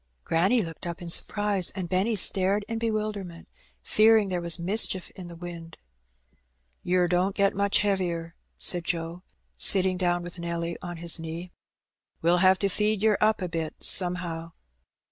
Granny looked up in surprise, and Benny stared in be wilderment, fearing there was mischief in the wind. "Yer don't get much heavier," said Joe, sitting down with Nelly on his knee. "We'll have to feed yer up a bit somehow."